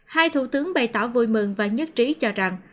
hai thủ tướng bày tỏ vui mừng và nhất trí cho rằng